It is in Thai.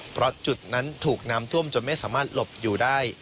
เพราะจุดนั้นถูกน้ำท่วมจนไม่สามารถหลบอยู่ได้